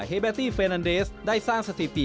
เบตี้เฟนันเดสได้สร้างสถิติ